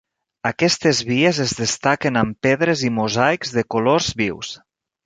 Aquestes vies es destaquen amb pedres i mosaics de colors vius.